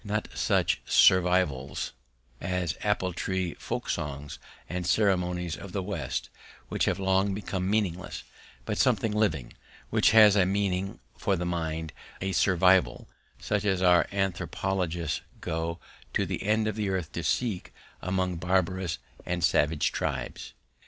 Not such survivals as the apple tree folk songs and ceremonies of the west, which have long become meaningless, but something living, which has a meaning for the mind, a survival such as our anthropologists go to the end of the earth to seek among barbarous and savage tribes.